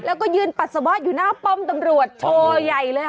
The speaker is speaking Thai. แล้วก็ยืนปัสสาวะอยู่หน้าป้อมตำรวจโชว์ใหญ่เลยค่ะ